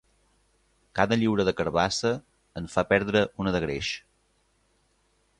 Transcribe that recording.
Cada lliura de carabassa en fa perdre una de greix.